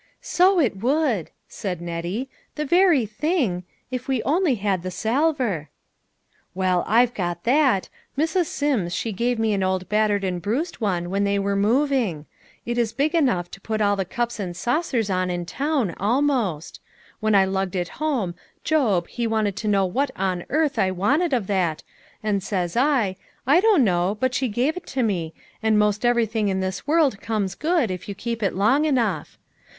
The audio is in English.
" So it would," said Nettie, " the very thing, if we only had the salver." " Well, I've got that. Mrs. Sims, she gave me an old battered and bruised one, when they were moving. It is big enough to put all the cups and saucers on in town, almost ; when I lugged it home, Job, he wanted to know what A COMPLETE SUCCESS. 225 on earth I wanted of that, and says I, I don't know, but she give it to me, and most every thing in this world comes good, if you keep it long enough.